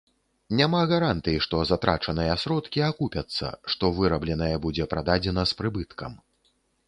Няма гарантый, што затрачаныя сродкі акупяцца, што вырабленае будзе прададзена з прыбыткам.